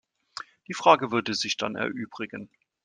Die Frage würde sich dann erübrigen.